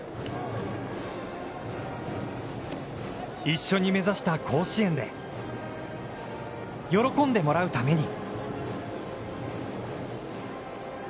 一緒に目指した甲子園で喜んでもらうために！